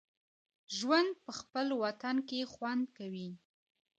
ژوند په خپل وطن کې خوند کوي